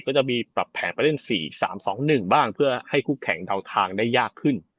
ก็จะมีปรับแผนการเล่นสี่สามสองหนึ่งบ้างเพื่อให้คู่แข่งเดาทางได้ยากขึ้น